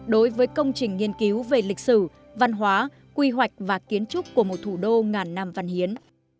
đối với công trình nghiên cứu về lịch sử văn hóa quy hoạch và kiến trúc của một thủ đô ngàn năm văn hiến